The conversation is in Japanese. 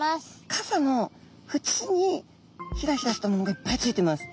傘のふちにひらひらしたものがいっぱいついてます。